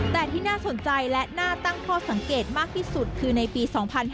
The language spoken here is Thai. แต่ที่น่าสนใจและน่าตั้งข้อสังเกตมากที่สุดคือในปี๒๕๕๙